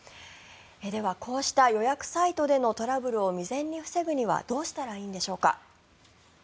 では、こうした予約サイトでのトラブルを未然に防ぐにはどうしたらいいんでしょうか。